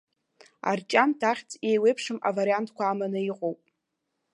Арҿиамҭа ахьӡ еиуеиԥшым авариантқәа аманы иҟоуп.